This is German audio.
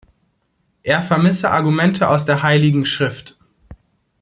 Er vermisse Argumente aus der Heiligen Schrift.